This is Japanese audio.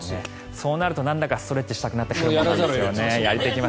そうなるとなんだかストレッチやりたくなってきますよね。